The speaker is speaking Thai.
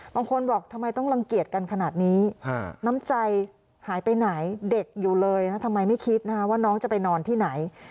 บางคนบอกทำไมต้องรังเกียจกันขนาดนี้น้ำใจหายไปไหนเด็กอยู่เลยนะทำไมไม่คิดนะว่าน้องจะไปนอนที่ไหน